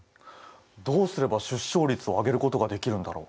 どうすれば出生率を上げることができるんだろう？